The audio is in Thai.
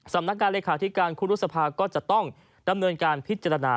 สำนักงานเลขาธิการครูรุษภาก็จะต้องดำเนินการพิจารณา